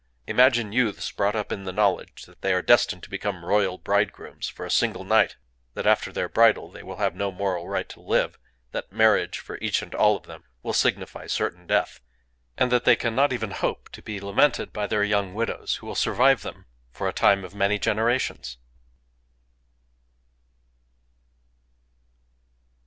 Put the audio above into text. Imagine youths brought up in the knowledge that they are destined to become royal bridegrooms for a single night,—that after their bridal they will have no moral right to live,—that marriage, for each and all of them, will signify certain death,—and that they cannot even hope to be lamented by their young widows, who will survive them for a time of many generations...!